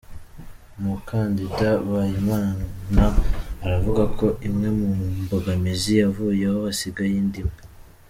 Umukandida Mpayimana aravuga ko imwe mu mbogamizi yavuyeho hasigaye indi imwe .